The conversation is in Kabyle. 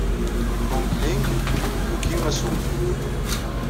Conkling yuki assummed-nni.